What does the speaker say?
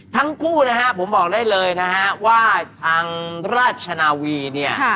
ทั้งคู่นะฮะผมบอกได้เลยนะฮะว่าทางราชนาวีเนี่ย